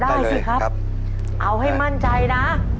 สิครับเอาให้มั่นใจนะ